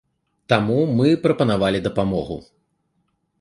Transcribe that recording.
Таму мы прапанавалі дапамогу.